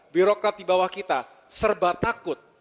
birokrat di bawah kita serba takut